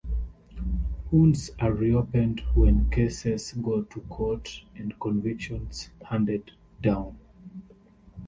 Wounds are reopened when cases go to court and convictions handed down.